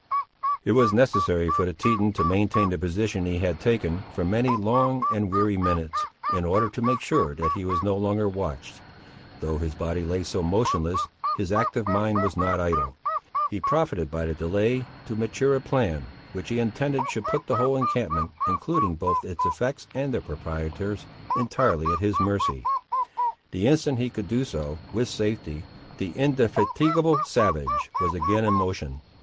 It was necessary for the Teton to maintain the position he had taken, for many long and weary minutes, in order to make sure that he was no longer watched. Though his body lay so motionless, his active mind was not idle. He profited by the delay to mature a plan which he intended should put the whole encampment, including both its effects and their proprietors, entirely at his mercy. The instant he could do so with safety, the indefatigable savage was again in motion.